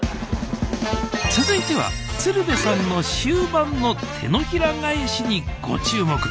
続いては鶴瓶さんの終盤の手のひら返しにご注目。